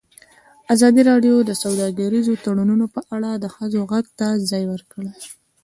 ازادي راډیو د سوداګریز تړونونه په اړه د ښځو غږ ته ځای ورکړی.